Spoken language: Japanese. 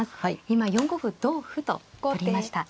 今４五歩同歩と取りました。